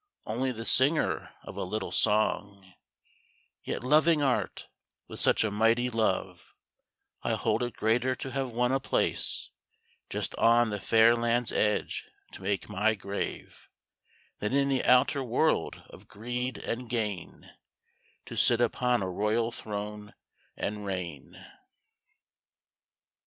_ Only the singer of a little song; Yet loving Art with such a mighty love I hold it greater to have won a place Just on the fair land's edge, to make my grave, Than in the outer world of greed and gain _To sit upon a royal throne and reign.